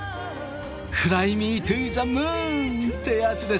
「フライ・ミー・トゥ・ザ・ムーン」ってやつですね。